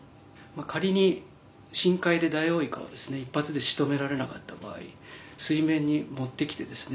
仮に深海でダイオウイカをですね一発でしとめられなかった場合水面に持ってきてですね